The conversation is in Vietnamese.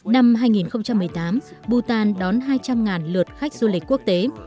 năm hai nghìn một mươi tám bhutan đón hai trăm linh lượt khách du lịch quốc tế